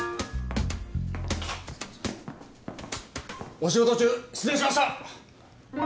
お仕事中失礼しました！